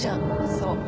そう。